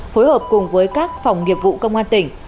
phối hợp cùng với các phòng nghiệp vụ công an tỉnh